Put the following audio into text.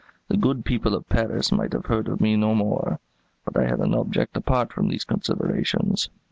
The good people of Paris might have heard of me no more. But I had an object apart from these considerations.